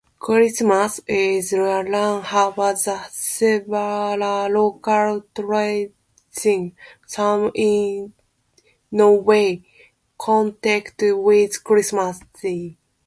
Christmas in Ireland has several local traditions, some in no way connected with Christianity.